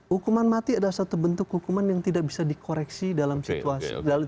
hukuman mati adalah satu bentuk hukuman yang tidak bisa dikoreksi dalam situasi